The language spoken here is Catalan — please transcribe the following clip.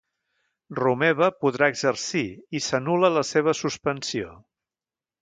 Romeva podrà exercir i s'anul·la la seva suspensió